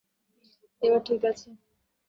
এবার ঠিক আছে।